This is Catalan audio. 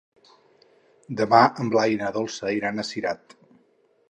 Demà en Blai i na Dolça iran a Cirat.